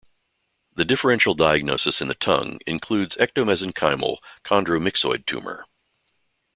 The differential diagnosis in the tongue includes ectomesenchymal chondromyxoid tumor.